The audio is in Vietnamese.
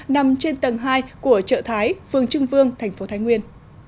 nằm trên tầng hai của chợ thái phương trưng vương tp thái nguyên